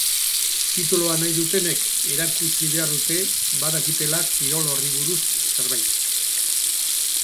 Tituloa nahi dutenek erakutsi behar dute badakitela kirol horri buruz zerbait.